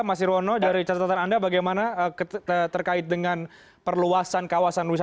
mas irwono dari catatan anda bagaimana terkait dengan perluasan kawasan wisata